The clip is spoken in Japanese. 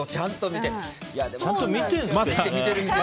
ちゃんと見てるんですけどね。